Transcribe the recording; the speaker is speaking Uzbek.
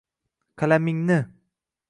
Qalamingni